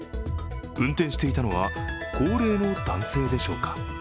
運転していたのは高齢の男性でしょうか？